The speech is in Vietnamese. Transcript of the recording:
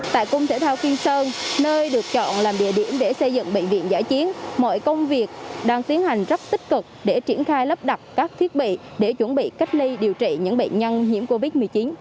tại cung thể thao kim sơn nơi được chọn làm địa điểm để xây dựng bệnh viện giã chiến mọi công việc đang tiến hành rất tích cực để triển khai lắp đặt các thiết bị để chuẩn bị cách ly điều trị những bệnh nhân nhiễm covid một mươi chín